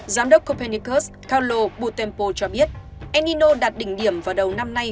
giám đốc copernicus carlo butempo cho biết enino đạt đỉnh điểm vào đầu năm nay